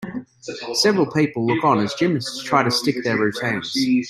several people look on as gymnasts try to stick their routines.